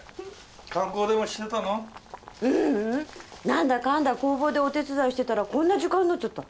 何だかんだ工房でお手伝いしてたらこんな時間になっちゃった。